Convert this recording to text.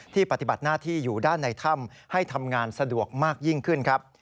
ปฏิบัติหน้าที่อยู่ด้านในถ้ำให้ทำงานสะดวกมากยิ่งขึ้นครับ